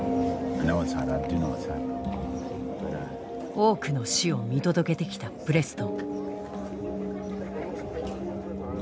多くの死を見届けてきたプレストン。